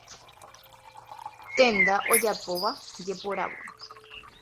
Tenda ojapóva jeporavo.